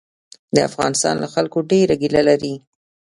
د افغانستان له خلکو ډېره ګیله لري.